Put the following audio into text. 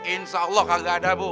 insya allah kagak ada bu